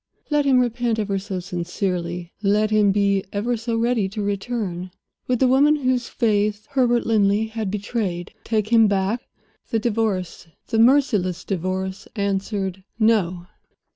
Let him repent ever so sincerely, let him be ever so ready to return, would the woman whose faith Herbert Linley had betrayed take him back? The Divorce, the merciless Divorce, answered: No!